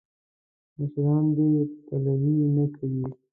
مشران دې پلوي نه کوي.